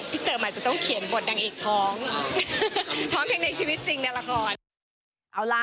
ผีเตอร์หมายจะต้องเขียนบทนางเอกท้องท้องแค่ในชีวิตจริงรากร